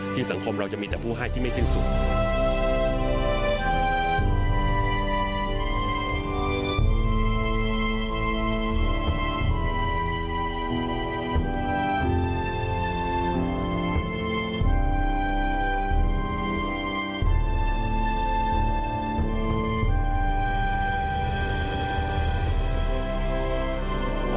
สังคมเราจะมีแต่ผู้ให้ที่ไม่สิ้นสุข